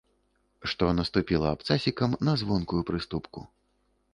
Што наступіла абцасікам на звонкую прыступку.